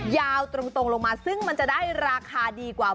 ยาวตรงลงมาซึ่งมันจะได้ราคาดีกว่า